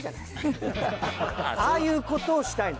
ああいうことをしたいの。